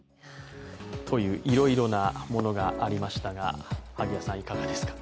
という、いろいろなものがありましたが、萩谷さん、いかがでしたか？